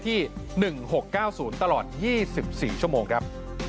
ที่๑๖๙๐ตลอด๒๔ชั่วโมงครับ